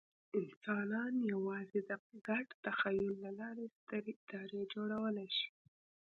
انسانان یواځې د ګډ تخیل له لارې سترې ادارې جوړولی شي.